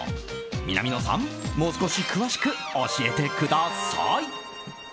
南野さん、もう少し詳しく教えてください！